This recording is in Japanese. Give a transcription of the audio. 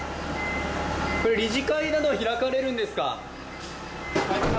理事会など開かれるんですか？